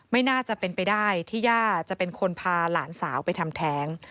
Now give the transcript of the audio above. ไม่น่าจะเป็นไปได้ที่ย่าจะเป็นคนพาหลานสาวไปทำแท้ง